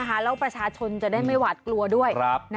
แล้วประชาชนจะได้ไม่หวาดกลัวด้วย